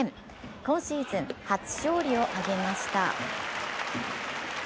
今シーズン初勝利を挙げました。